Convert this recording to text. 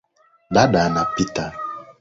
Dada anapita